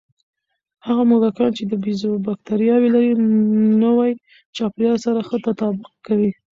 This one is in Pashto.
هغه موږکان چې د بیزو بکتریاوې لري، نوي چاپېریال سره ښه تطابق کوي.